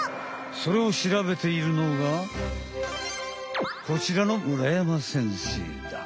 それをしらべているのがこちらの村山先生だ。